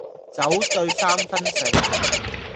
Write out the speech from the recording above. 酒醉三分醒